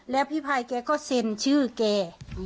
แล้วพี่พายแกก็เซ็นชื่อแก